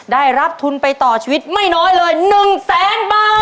ได้รับทุนไปต่อชีวิตไม่น้อยเลย๑แสนบาท